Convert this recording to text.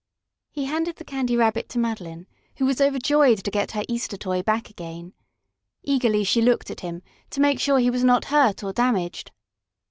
He handed the Candy Rabbit to Madeline, who was overjoyed to get her Easter toy back again. Eagerly she looked at him, to make sure he was not hurt or damaged.